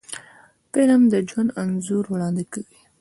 فلم د ژوند انځور وړاندې کوي